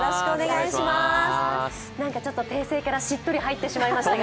なんか訂正からしっとり入ってしまいましたが。